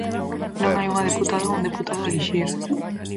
Non hai unha deputada ou un deputado a elixir.